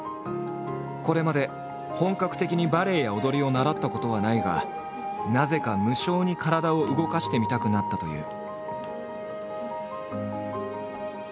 これまで本格的にバレエや踊りを習ったことはないがなぜか無性に体を動かしてみたくなったという。